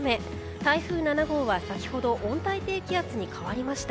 台風７号は先ほど温帯低気圧に変わりました。